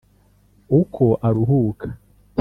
uko aruhuka